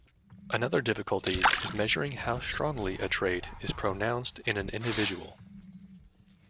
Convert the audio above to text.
Another difficulty is measuring how strongly a trait is pronounced in an individual.